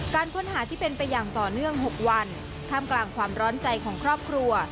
การค้นหาที่เป็นไปอย่างต่อเนื่อง๖วันท่ามกลางความร้อนใจของครอบครัว